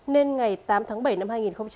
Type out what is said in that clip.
nên ngày tám tháng bảy năm hai nghìn một mươi chín